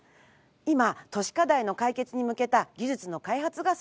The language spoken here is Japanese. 今都市課題の解決に向けた技術の開発が進んでいます。